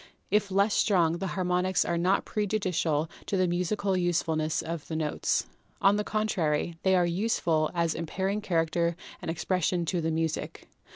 If less strong, the harmonics are not prejudicial to the musical usefulness of the notes. On the contrary, they are useful as imparting character and expression to the music.